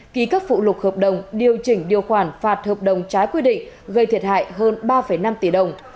ký các phụ lục hợp đồng điều chỉnh điều khoản phạt hợp đồng trái quy định gây thiệt hại hơn ba năm tỷ đồng